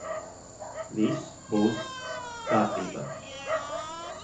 Viss būs kārtībā.